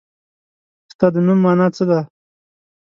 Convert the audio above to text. ستا د نوم مانا څه ده ؟